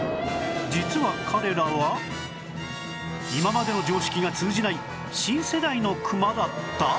実は彼らは今までの常識が通じない新世代のクマだった？